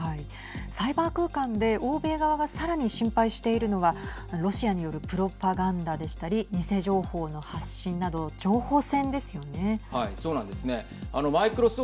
サイバー空間で欧米側がさらに心配しているのはロシアによるプロパガンダでしたり偽情報の発信など情報戦ですよね。